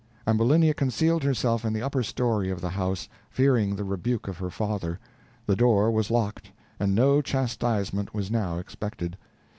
Ambulinia concealed herself in the upper story of the house, fearing the rebuke of her father; the door was locked, and no chastisement was now expected.